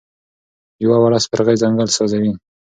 یوه وړه سپرغۍ ځنګل سوځوي.